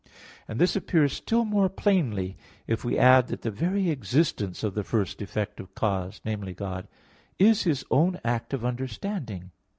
And this appears still more plainly if we add that the very existence of the first effective cause viz. God is His own act of understanding.